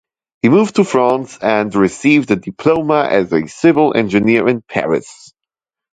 He moved to France and received a diploma as a civil engineer in Paris.